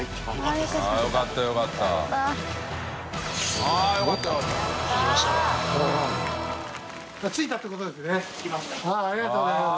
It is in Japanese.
ありがとうございます。